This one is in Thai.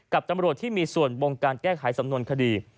กับตำรวจที่มีส่วนบงการแก้ไขสำนวนคดี